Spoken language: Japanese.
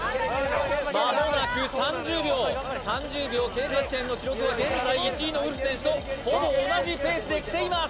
間もなく３０秒３０秒経過時点の記録は現在１位のウルフ選手とほぼ同じペースできています